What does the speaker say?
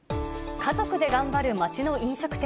家族で頑張る町の飲食店。